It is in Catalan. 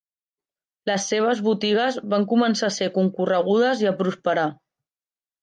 Les seves botigues van començar a ser concorregudes i a prosperar.